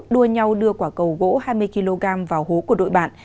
đua nhau đưa quả cầu gỗ hai mươi kg vào hố của đội bạn